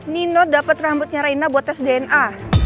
nino dapet rambutnya reina buat tes dna